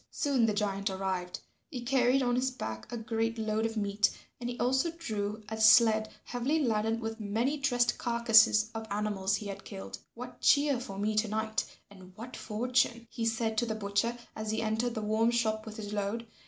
Soon the giant arrived. He carried on his back a great load of meat and he also drew a sled heavily laden with many dressed carcasses of animals he had killed. "What cheer for me to night and what fortune?" he said to the butcher as he entered the warm shop with his load.